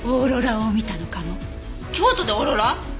京都でオーロラ！？